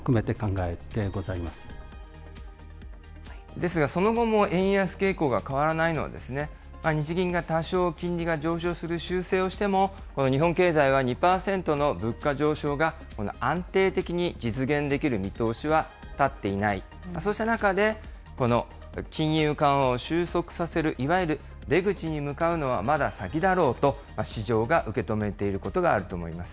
ですが、その後も円安傾向が変わらないのは、日銀が多少、金利が上昇する修正をしても、日本経済は２％の物価上昇が安定的に実現できる見通しは立っていない、そうした中で、この金融緩和を収束させる、いわゆる出口に向かうのはまだ先だろうと、市場が受け止めていることがあると思います。